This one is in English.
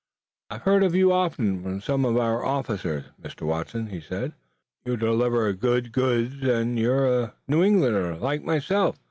"I've heard of you often from some of our officers, Mr. Watson," he said. "You deliver good goods and you're a New Englander, like myself.